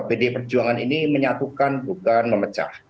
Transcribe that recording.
pdi perjuangan ini menyatukan bukan memecah